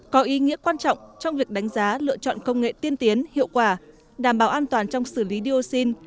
có ý nghĩa quan trọng trong việc đánh giá lựa chọn công nghệ tiên tiến hiệu quả đảm bảo an toàn trong xử lý dioxin